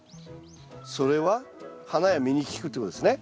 それは花や実に効くってことですね。